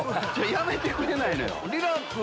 やめてくれないのよ。